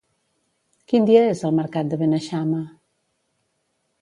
Quin dia és el mercat de Beneixama?